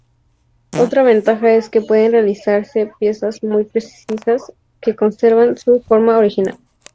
Otra ventaja es que pueden realizarse piezas muy precisas que conservan su forma original.